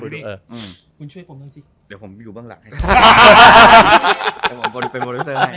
ได้เรื่องครับ